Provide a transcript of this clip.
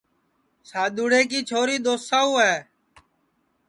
سادُؔوݪے کی چھوری دؔوساؤ ہے